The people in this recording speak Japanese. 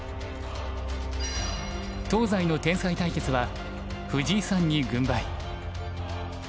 東西の天才対決は藤井さんに軍配。